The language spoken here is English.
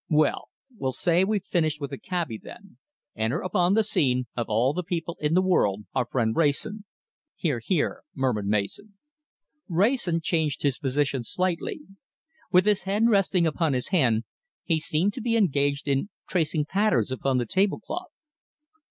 Well, we'll say we've finished with the cabby, then. Enter upon the scene, of all people in the world, our friend Wrayson!" "Hear, hear!" murmured Mason. Wrayson changed his position slightly. With his head resting upon his hand, he seemed to be engaged in tracing patterns upon the tablecloth.